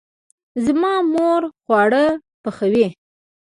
زما مور خواړه پخوي